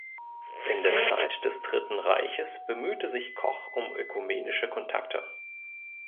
In der Zeit des "„Dritten Reiches“" bemühte sich Koch um ökumenische Kontakte.